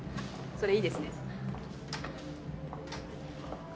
それいいですね。